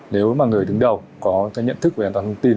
nếu mà người đứng đầu có cái nhận thức về an toàn thông tin